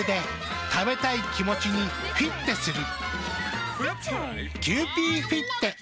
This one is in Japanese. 食べたい気持ちにフィッテする。